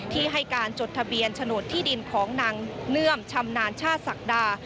ที่ให้การจดทะเบียนโฉนดที่ดินของนางเนื่อมชำนาญชาติศักดา